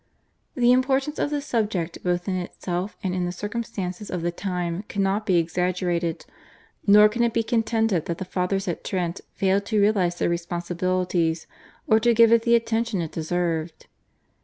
The importance of the subject both in itself and in the circumstances of the time cannot be exaggerated, nor can it be contended that the Fathers at Trent failed to realise their responsibilities or to give it the attention it deserved.